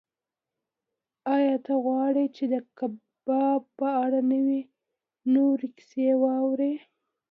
ایا ته غواړې چې د کباب په اړه نورې کیسې واورې؟